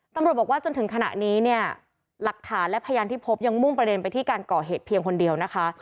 ตำรวจบอกว่าจนถึงขณะนี้เนี่ยหลักฐานและพยานที่พบยังมุ่งประเด็นไปที่การก่อเหตุเพียงคนเดียวนะคะ